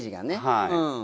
はい。